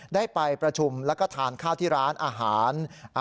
ได้ไปประชุมแล้วก็ทานข้าวที่ร้านอาหาร